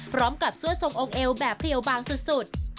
พร้อมกับซั่วทรงองค์เอวแบบเขียวบางสุด